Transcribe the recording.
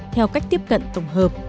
theo cách tiếp cận tổng hợp